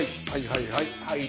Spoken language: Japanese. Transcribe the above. はいはいはい。